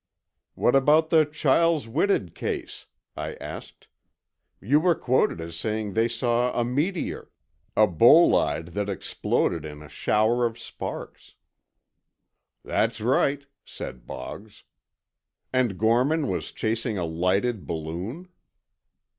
"What about the Chiles Whitted case?" I asked. "You were quoted as saying they saw a meteor—a bolide that exploded in a shower of sparks." "That's right," said Boggs. "And Gorman was chasing a lighted balloon?"